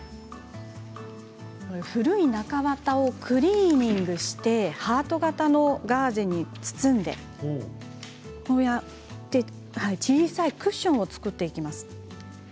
古い中綿をクリーニングしてハートの形のガーゼに包んで小さなクッションを作ります。